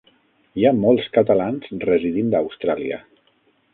Hi ha molts catalans residint a Austràlia